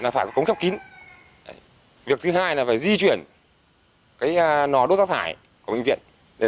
phải có cống khắp kín việc thứ hai là phải di chuyển cái nò đốt ra thải của bệnh viện